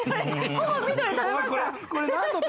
ほぼ緑食べました。